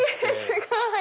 すごい！